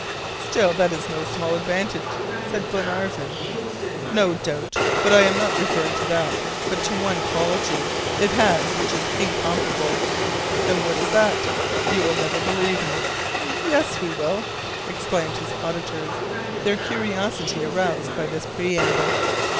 "Still, that is no small advantage," said Glenarvan. "No doubt; but I am not referring to that, but to one quality it has which is incomparable." "And what is that?" "You will never believe me." "Yes, we will," exclaimed his auditors, their curiosity aroused by this preamble.